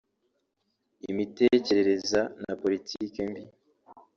imitekerereza na politiki mbi